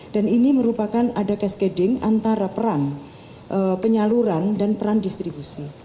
dan ini merupakan ada cascading antara peran penyaluran dan peran distribusi